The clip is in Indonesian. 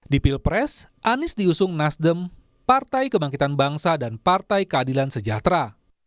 di pilpres anies diusung nasdem partai kebangkitan bangsa dan partai keadilan sejahtera